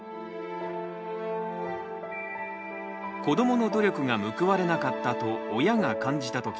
子どもの努力が報われなかったと親が感じた